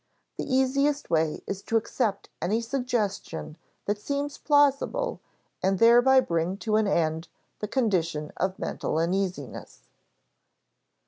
The easiest way is to accept any suggestion that seems plausible and thereby bring to an end the condition of mental uneasiness.